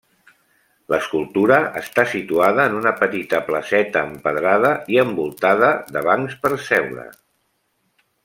L'escultura està situada en una petita placeta empedrada i envoltada de bancs per seure.